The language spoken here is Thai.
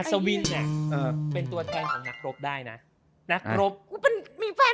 อัศวินเนี้ยเออเป็นตัวแฟนของนักรบได้นะนักรบมันมีแฟน